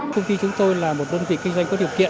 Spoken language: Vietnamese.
công ty chúng tôi là một đơn vị kinh doanh có điều kiện